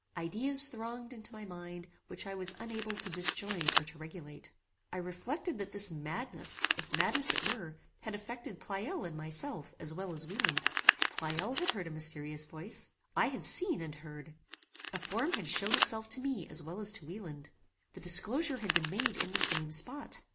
Ideas thronged into my mind which I was unable to disjoin or to regulate. I reflected that this madness, if madness it were, had affected Pleyel and myself as well as Wieland. Pleyel had heard a mysterious voice. I had seen and heard. A form had showed itself to me as well as to Wieland. The disclosure had been made in the same spot.